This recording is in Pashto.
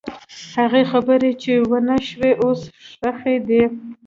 هغه خبرې چې ونه شوې، اوس ښخې دي.